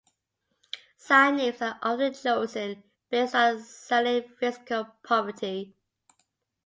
Sign names are often chosen based on a salient physical property.